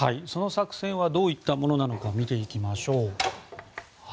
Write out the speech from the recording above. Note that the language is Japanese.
その作戦はどういったものなのか見ていきましょう。